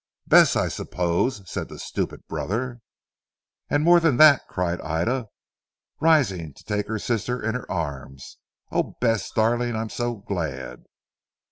"Bess I suppose," said the stupid brother. "And more than that," cried Ida rising to take her sister in her arms, "oh! Bess darling, I am so glad."